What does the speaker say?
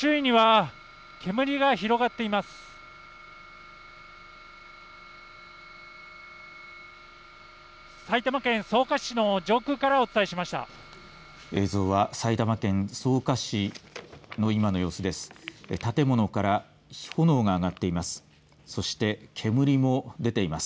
映像は埼玉県草加市の今の様子です。